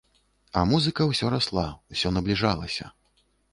А музыка ўсё расла, усё набліжалася.